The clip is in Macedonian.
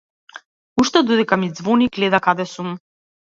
Уште додека ми ѕвони гледа каде сум.